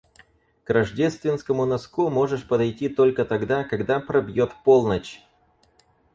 К рождественскому носку можешь подойти только тогда, когда пробьёт полночь.